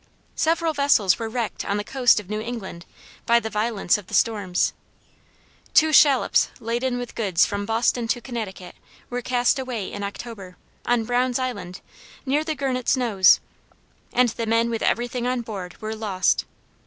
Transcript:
Several vessels were wrecked on the coast of New England, by the violence of the storms. Two shallops laden with goods from Boston to Connecticut, were cast away in October, on Brown's Island, near the Gurnet's Nose; and the men with every thing on board were lost.